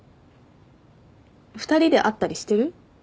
２人で会ったりしてる？